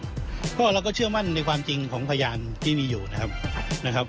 เพราะเราก็เชื่อมั่นในความจริงของพยานที่มีอยู่นะครับนะครับ